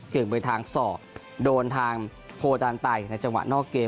ไปทางสอกโดนทางโพตานไตในจังหวะนอกเกม